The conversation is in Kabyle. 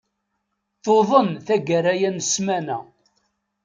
Tuḍen tagara-ya n ssmana.